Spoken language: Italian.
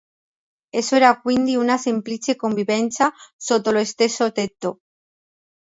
Esso era quindi una semplice convivenza sotto lo stesso tetto.